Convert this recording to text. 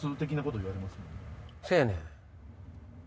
せやねん！